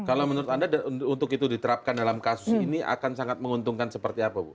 kalau menurut anda untuk itu diterapkan dalam kasus ini akan sangat menguntungkan seperti apa bu